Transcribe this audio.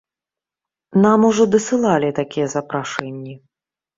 Нам ужо дасылалі такія запрашэнні.